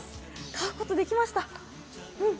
買うことができました。